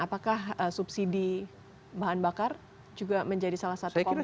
apakah subsidi bahan bakar juga menjadi salah satu komponen